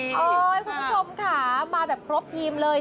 คุณผู้ชมค่ะมาแบบครบทีมเลย